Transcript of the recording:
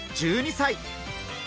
１２歳。